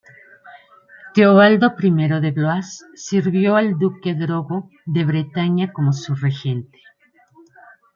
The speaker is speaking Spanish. Teobaldo I de Blois sirvió al duque Drogo de Bretaña como su regente.